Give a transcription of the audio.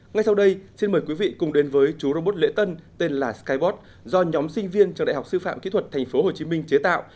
ngay sau đây xin mời quý vị cùng đến với chú robot lễ tân tên là skybot do nhóm sinh viên trường đại học sư phạm kỹ thuật thành phố hồ chí minh chế tạo